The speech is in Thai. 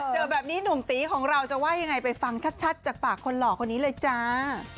เจอแบบนี้หนุ่มตีของเราจะว่ายังไงไปฟังชัดจากปากคนหล่อคนนี้เลยจ้า